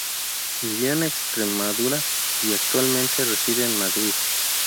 Vivió en Extremadura y actualmente reside en Madrid.